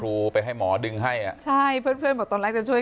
ครูไปให้หมอดึงให้อ่ะใช่เพื่อนบอกตอนแรกจะช่วย